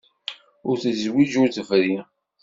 Ur tezwiǧ ur tebri.